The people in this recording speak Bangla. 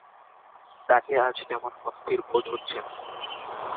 তাঁকে আজ তেমন অস্থির বোধ হচ্ছে না।